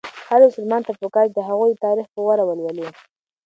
هر مسلمان ته پکار ده چې د هغوی تاریخ په غور ولولي.